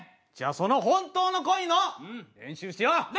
じゃあその本当の恋の練習しよう。